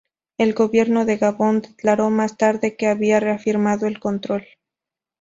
El gobierno de Gabón declaró más tarde que había reafirmado el control.